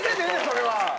それは。